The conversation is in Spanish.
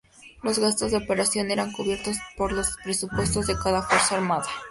Los gastos de operación eran cubiertos por los presupuestos de cada fuerza armada.